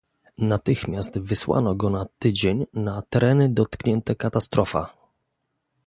Natychmiast wysłano go na tydzień na tereny dotknięte katastrofa